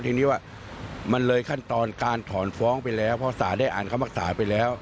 ทีนี้ว่ามันเลยขั้นตอนการถอนฟ้องไปแล้วเพราะสารได้อ่านคำภาษาไปแล้ว